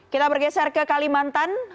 kita bergeser ke kalimantan